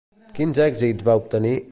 Quins èxits va obtenir?